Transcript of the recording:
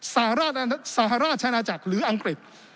สหราชอาณาจักรหรืออังกฤษ